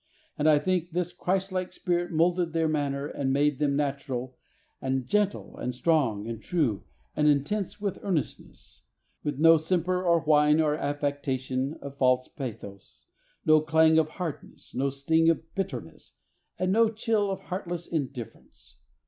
And I think this Christlike spirit moulded their manner and m^ade them natural and gentle and strong and true and intense with M 162 THE soul winner's secret. earnestness, with no simper or whine or affectation of false pathos; no clang of hard ness; no sting of bitterness, and no chill of heartless indifference.